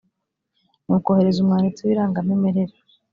ni koherereza umwanditsi w irangamimerere